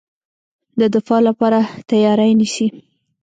د دفاع لپاره تیاری نیسي.